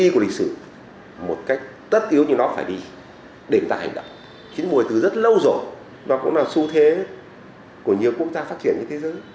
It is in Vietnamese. chính bồi từ rất lâu rồi nó cũng là su thế của nhiều quốc gia phát triển trên thế giới